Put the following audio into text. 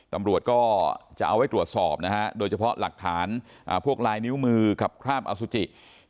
ตำรวจก็จะเอาไว้ตรวจสอบนะฮะโดยเฉพาะหลักฐานพวกลายนิ้วมือกับคราบอสุจิ